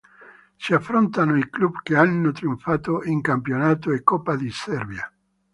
Si affrontano i club che hanno trionfato in Campionato e Coppa di Serbia.